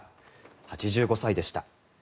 ８５歳でした。